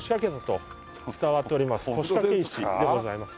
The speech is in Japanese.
腰掛石でございます。